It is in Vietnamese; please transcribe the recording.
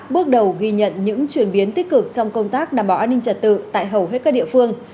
bước đầu ghi nhận những chuyển biến tích cực trong công tác đảm bảo an ninh trật tự tại hầu hết các địa phương